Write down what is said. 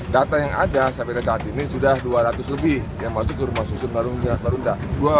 data yang ada sampai saat ini sudah dua ratus lebih yang masuk ke rumah susun marunda